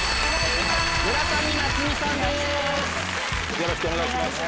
よろしくお願いします